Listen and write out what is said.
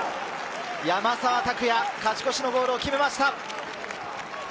山沢拓也、勝ち越しのゴールを決めました。